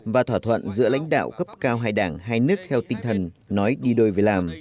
và thỏa thuận giữa lãnh đạo cấp cao hai đảng hai nước theo tinh thần nói đi đôi với làm